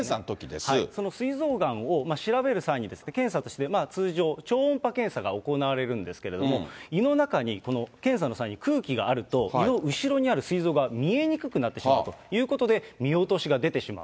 そのすい臓がんを調べる際に検査として通常、超音波検査が行われるんですけれども、胃の中にこの検査の際に空気があると、胃の後ろにあるすい臓が見えにくくなってしまうということで、見落としが出てしまう。